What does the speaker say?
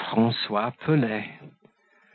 Francois Pelet. And M.